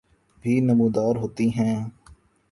بھی نمودار ہوتی ہیں